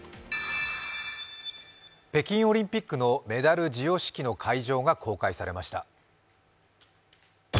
北京オリンピックのメダル授与式の会場が公開されました。